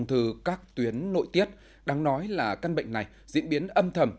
từ các tuyến nội tiết đáng nói là căn bệnh này diễn biến âm thầm